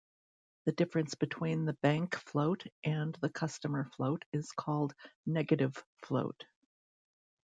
The difference between the bank float and the customer float is called 'negative float'.